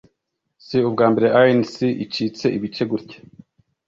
si ubwa mbere rnc icitsemo ibice gutya